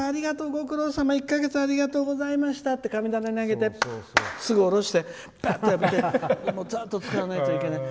ご苦労さま１か月ありがとうございましたって神棚に上げて、すぐおろしてざーっと使わないといけない。